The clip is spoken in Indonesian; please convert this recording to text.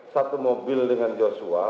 satu mobil dengan joshua